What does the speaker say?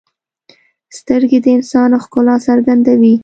سترګې د انسان ښکلا څرګندوي